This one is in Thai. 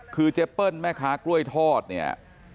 คือเจเปิ้ลแม่ค้ากล้วยทอดเนี่ย